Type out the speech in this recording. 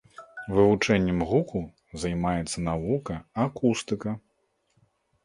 Вывучэннем гуку займаецца навука акустыка.